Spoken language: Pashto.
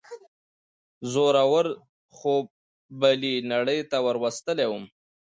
زوره ور خوب بلې نړۍ ته وروستلی وم.